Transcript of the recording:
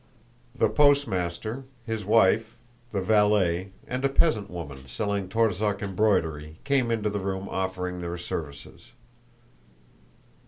The postmaster, his wife, the valet, and a peasant woman selling Torzhók embroidery came into the room offering their services.